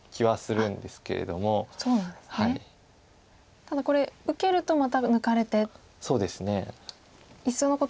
ただこれ受けるとまた抜かれていっそのこと